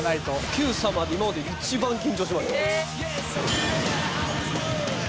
『Ｑさま！！』で今までで一番緊張しました。